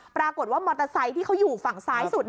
ปรากฏว่ามอเตอร์ไซค์ที่เขาอยู่ฝั่งซ้ายสุด